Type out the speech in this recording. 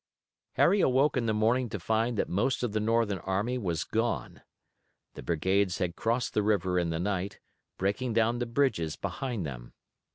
Harry awoke in the morning to find that most of the Northern army was gone. The brigades had crossed the river in the night, breaking down the bridges behind them.